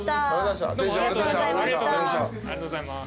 ありがとうございます。